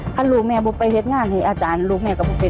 ถ้ารูแมวบอกไปเฮ็ดงานด้วยอาจารย์ลูกแมวก็แบบนั้น